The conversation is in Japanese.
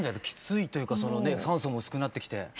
キツいというか酸素も薄くなってきて。